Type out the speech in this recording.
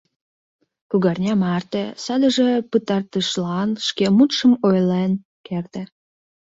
— Кугарня марте, - садыже пытартышлан шке мутшым ойлен керте.